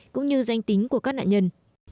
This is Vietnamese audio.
cũng như danh tính của các nạn nhân